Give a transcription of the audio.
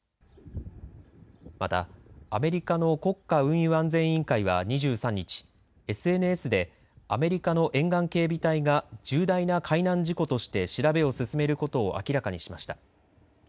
また、アメリカの国家運輸安全委員会は２３日ＳＮＳでアメリカの沿岸警備隊が重大な海難事故として調べを進めることを明らかにしました。